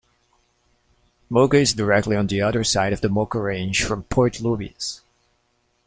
Moka is directly on the other side of the Moka Range from Port Louis.